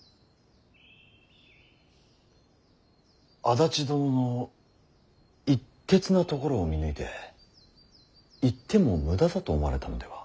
足立殿の一徹なところを見抜いて言っても無駄だと思われたのでは。